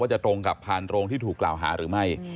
จะตรงกับพานโรงที่ถูกกล่าวหาหรือไม่